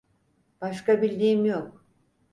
Başka bildiğim yok.